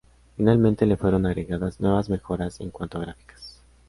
Finalmente, le fueron agregadas nuevas mejoras en cuanto a gráficas.